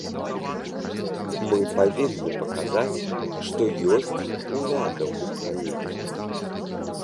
Мы павінны паказаць, што ёсць ўлада ў краіне.